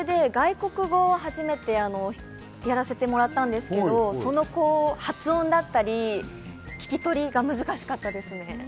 今回、劇中で外国語をはじめてやらせてもらったんですけど、その発音だったり聞き取りが難しかったですね。